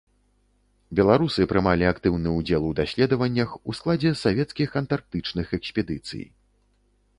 Беларусы прымалі актыўны ўдзел у даследваннях у складзе савецкіх антарктычных экспедыцый.